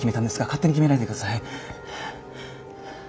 勝手に決めないでください。